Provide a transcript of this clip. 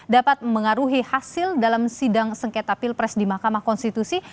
dapat mengaruhi hasil dalam sidang sengketa pilpres di mahkamah konstitusi